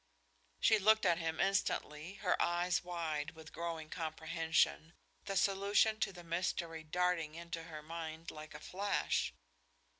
She looked at him instantly, her eyes wide with growing comprehension, the solution to the mystery darting into her mind like a flash.